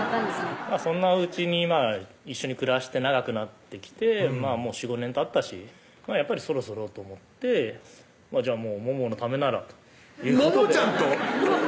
そんなうちに一緒に暮らして長くなってきて４５年たったしやっぱりそろそろと思って「モモのためなら」ということでモモちゃんと？